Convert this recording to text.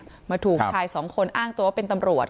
อยู่ดีเนี่ยมาถูกชายสองคนอ่างตัวว่าเป็นตำรวจ